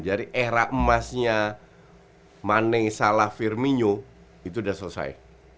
jadi era emasnya mane salah firmino itu udah selesai